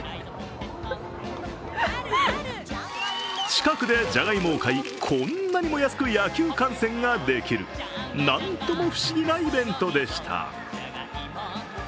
近くでじゃがいもを買いこんなにも安く野球観戦ができるなんとも不思議なイベントでした。